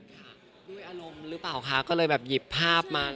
ค่ะด้วยอารมณ์หรือเปล่าคะก็เลยแบบหยิบภาพมา